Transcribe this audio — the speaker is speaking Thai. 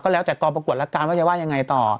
แล้วแต่กองประกวดละการว่าจะว่ายังไงต่อ